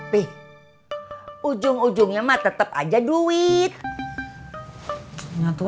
pi ujung ujungnya tetap aja duit